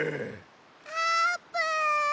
あーぷん。